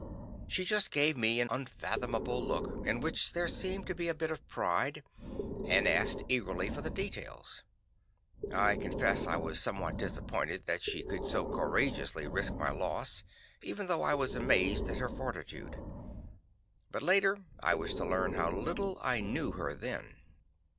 She just gave me an unfathomable look, in which there seemed to be a bit of pride, and asked eagerly for the details. I confess I was somewhat disappointed that she could so courageously risk my loss, even though I was amazed at her fortitude. But later I was to learn how little I knew her then.